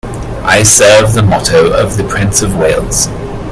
I serve the motto of the Prince of Wales.